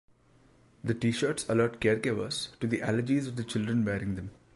The T-shirts alert caregivers to the allergies of the children wearing them.